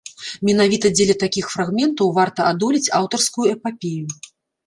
Менавіта дзеля такіх фрагментаў варта адолець аўтарскую эпапею.